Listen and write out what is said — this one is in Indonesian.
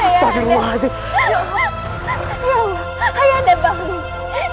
ayah anda bangun